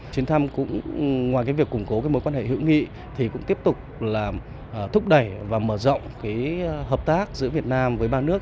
chuyến thăm cũng ngoài việc củng cố mối quan hệ hữu nghị thì cũng tiếp tục thúc đẩy và mở rộng hợp tác giữa việt nam với ba nước